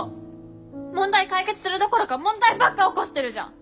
問題解決するどころか問題ばっか起こしてるじゃん！